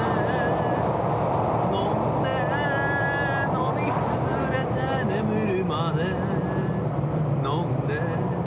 「飲んで飲み潰れて寝むるまで飲んで」